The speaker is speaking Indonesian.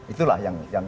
itulah yang kita lakukan